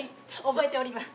覚えております。